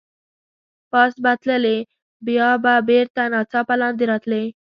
پاس به تللې، بیا به بېرته ناڅاپه لاندې راتلې.